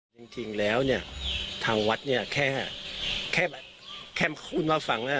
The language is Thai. จริงแล้วเนี่ยทางวัดเนี่ยแค่แค่คุณมาฟังนะ